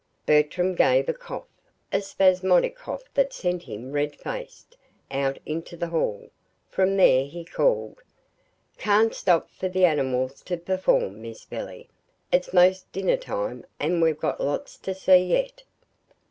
Bertram gave a cough, a spasmodic cough that sent him, red faced, out into the hall. From there he called: "Can't stop for the animals to perform, Miss Billy. It's 'most dinner time, and we've got lots to see yet."